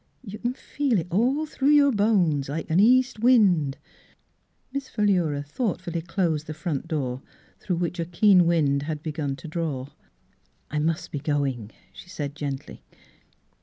You c'n feel it ail through your bones like an east wind." Miss Philura thoughtfully closed the front door, through which a keen wind had begun to draw. " I must be going," she said gently.